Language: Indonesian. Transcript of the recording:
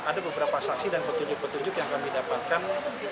ada beberapa saksi dan petunjuk petunjuk yang kami dapatkan